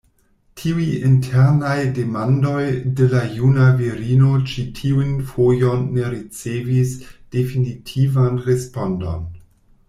Tiuj internaj demandoj de la juna virino ĉi tiun fojon ne ricevis definitivan respondon.